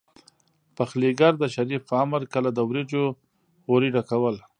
پخليګر د شريف په امر کله د وريجو غوري ډکول.